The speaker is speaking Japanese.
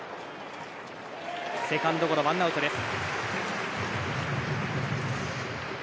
セカンドゴロ、ワンアウトです。